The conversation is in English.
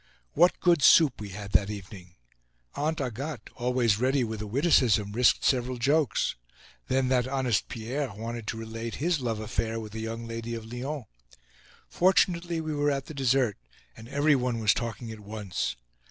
What good soup we had that evening! Aunt Agathe, always ready with a witticism, risked several jokes. Then that honest Pierre wanted to relate his love affair with a young lady of Lyons. Fortunately, we were at the dessert, and every one was talking at once.